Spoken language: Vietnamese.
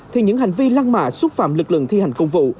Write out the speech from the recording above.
thì những hành vi lăng mạ xúc phạm lực lượng thi hành công vụ